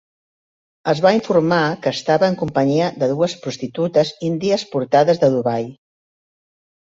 Es va informar que estava en companyia de dues prostitutes índies portades de Dubai.